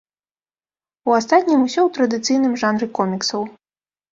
У астатнім усё ў традыцыйным жанры коміксаў.